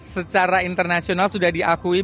secara internasional sudah diakui